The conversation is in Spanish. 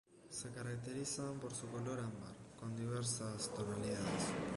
Se caracterizan por su color ámbar, con diversas tonalidades.